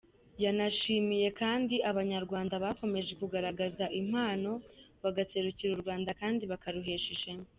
Yanashimiye kandi Abanyarwanda bakomeje kugaragaza impano bagaserukira u Rwanda kandi bakaruhesha ishema.